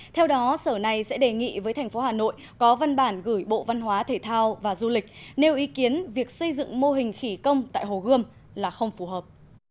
theo đó sở này sẽ đề nghị với thành phố hà nội có văn bản gửi bộ văn hóa thể thao và du lịch nêu ý kiến việc xây dựng mô hình khỉ công tại hồ gươm là không phù hợp